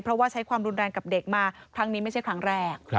เพราะว่าใช้ความรุนแรงกับเด็กมาครั้งนี้ไม่ใช่ครั้งแรก